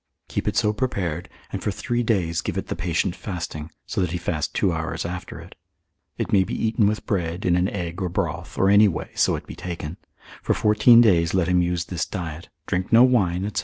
Keep it so prepared, and for three days give it the patient fasting, so that he fast two hours after it. It may be eaten with bread in an egg or broth, or any way, so it be taken. For fourteen days let him use this diet, drink no wine, &c.